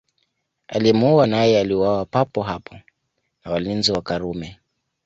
Aliyemuua naye aliuawa papo hapo na walinzi wa Karume